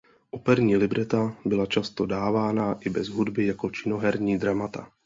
Operní libreta byla často dávána i bez hudby jako činoherní drama.